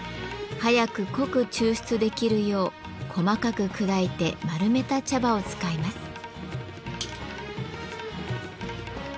早く濃く抽出できるよう細かく砕いて丸めた茶葉を使います。